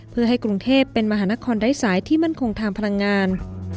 เพื่อให้กรุงเทพเป็นมหานครไร้สายที่มั่นคงทางพลังงาน